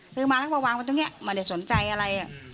ซื้อมาแล้วก็วางไว้ตรงนี้ไม่ได้สนใจอะไร